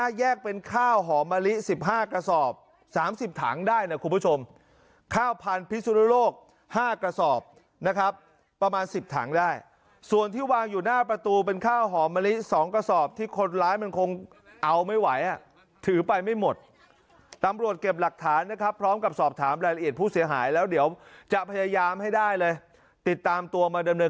ถ้าแยกเป็นข้าวหอมมะลิ๑๕กระสอบ๓๐ถังได้นะคุณผู้ชมข้าวพันธุ์พิสุนุโลก๕กระสอบนะครับประมาณ๑๐ถังได้ส่วนที่วางอยู่หน้าประตูเป็นข้าวหอมมะลิ๒กระสอบที่คนร้ายมันคงเอาไม่ไหวอ่ะถือไปไม่หมดตำรวจเก็บหลักฐานนะครับพร้อมกับสอบถามรายละเอียดผู้เสียหายแล้วเดี๋ยวจะพยายามให้ได้เลยติดตามตัวมาดำเนิน